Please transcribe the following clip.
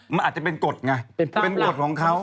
มันอาจจะเป็นกฎไงเป็นนายอยอลเป็นกฎของเขา